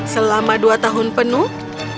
selama dua tahun penuh